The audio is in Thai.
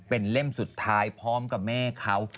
เป็นเล่มสุดท้ายพร้อมกับแม่เขา